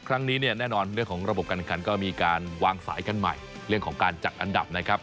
ครั้งนี้เนี่ยแน่นอนเรื่องของระบบการคันก็มีการวางสายกันใหม่เรื่องของการจัดอันดับนะครับ